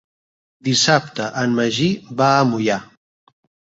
Dissabte en Magí va a Moià.